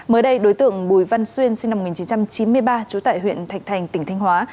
mới đây đối tượng bùi văn xuyên sinh năm một nghìn chín trăm chín mươi ba trú tại huyện thạch thành tỉnh thanh hóa